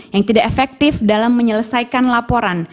yang tidak efektif dalam menyelesaikan laporan